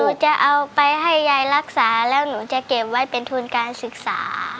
จะเอาไปให้ยายรักษาแล้วหนูจะเก็บไว้เป็นทุนการศึกษา